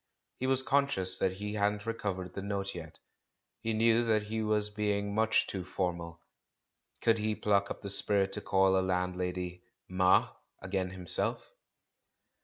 He was con scious that he hadn't recovered the note yet, he knew that he was being much too formal. Could he pluck up the spirit to call a landlady "Ma" again himself?